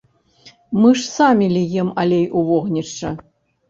Мы ж самі ліем алей ў вогнішча.